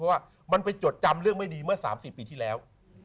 เพราะว่ามันไปจดจำเรื่องไม่ดีเมื่อ๓๔ปีที่แล้ว